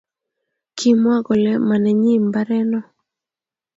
kimwaa kolee manenyii mbaree noo